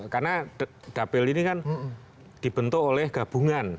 karena dapil ini kan dibentuk oleh gabungan